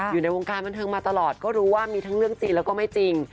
อยู่ในวงการบันเทิงมาตลอดก็รู้ว่ามีทั้งเรื่องจริงแล้วก็ไม่จริง